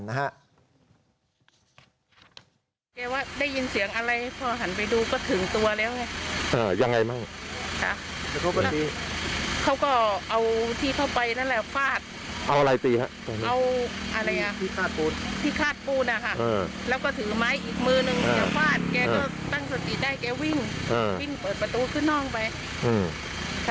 ถูกตีได้แก่วิ่งเปิดประตูขึ้นนอกไป